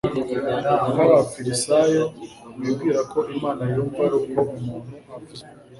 nk Abafarisayo Bibwira ko Imana yumva ari uko umuntu avuze